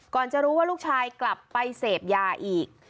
จะรู้ว่าลูกชายกลับไปเสพยาอีก